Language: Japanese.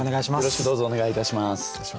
よろしくどうぞお願いいたします。